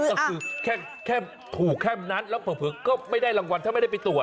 ก็คือแค่ถูกแค่นั้นแล้วเผลอก็ไม่ได้รางวัลถ้าไม่ได้ไปตรวจ